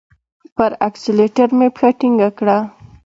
پر اکسلېټر مي پښه ټینګه کړه !